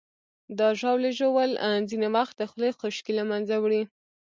د ژاولې ژوول ځینې وخت د خولې خشکي له منځه وړي.